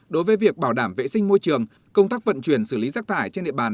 đối với việc bảo đảm vệ sinh môi trường công tác vận chuyển xử lý rác thải trên địa bàn